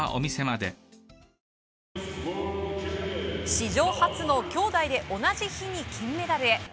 史上初の兄妹で同じ日に金メダルへ。